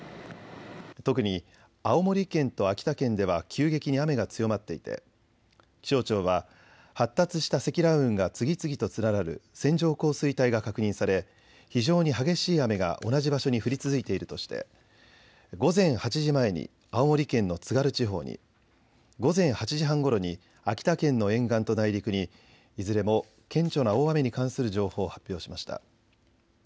特に青森県と秋田県では急激に雨が強まっていて気象庁は発達した積乱雲が次々と連なる線状降水帯が確認され、非常に激しい雨が同じ場所に降り続いているとして午前８時前に青森県の津軽地方に、午前８時半ごろに秋田県の沿岸と内陸にいずれも顕著な大雨に関する情報を発表しました。